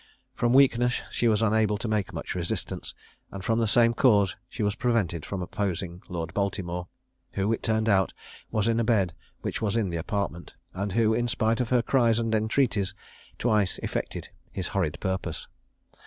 From weakness she was unable to make much resistance; and from the same cause she was prevented from opposing Lord Baltimore, who, it turned out, was in a bed which was in the apartment, and who, in spite of her cries and entreaties, twice effected his horrid purpose.